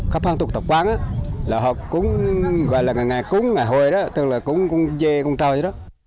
khắp hàng tục tập quán họ cũng gọi là ngày cúng ngày hồi tức là cúng cúng dê cúng tròi